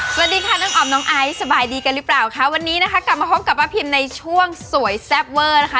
สวัสดีค่ะน้องออมน้องไอซ์สบายดีกันหรือเปล่าคะวันนี้นะคะกลับมาพบกับป้าพิมในช่วงสวยแซ่บเวอร์นะคะ